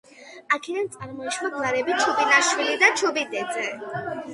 აქედან წარმოიშვა გვარები ჩუბინაშვილი და ჩუბინიძე.